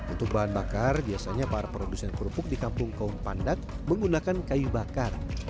untuk bahan bakar biasanya para produsen kerupuk di kampung kaum pandat menggunakan kayu bakar